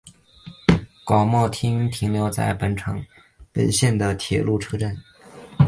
末广町停留场本线的铁路车站。